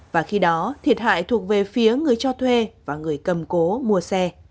và khi đó thiệt hại thuộc về phía người cho thuê và người cầm cố mua xe